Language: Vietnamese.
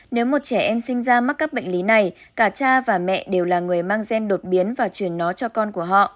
nếu một trẻ em sinh ra mắc các bệnh lý này cả cha và mẹ đều là người mang gen đột biến và truyền nó cho con của họ